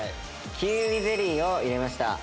キウイゼリーを入れました。